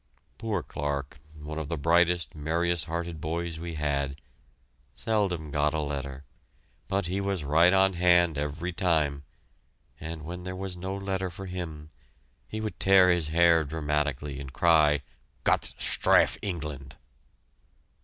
Poor Clarke, one of the brightest, merriest hearted boys we had, seldom got a letter, but he was right on hand every time, and when there was no letter for him, would tear his hair dramatically and cry, "Gott strafe England."